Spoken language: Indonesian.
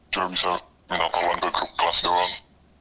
cuma bisa minta tolong ke grup kelas doang